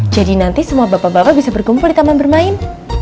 jadi nanti semua bapak bapak bisa berkumpul di taman bermain